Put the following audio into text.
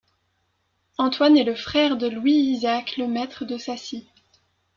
Antoine est le frère de Louis-Isaac Lemaistre de Sacy.